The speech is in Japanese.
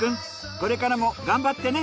これからも頑張ってね。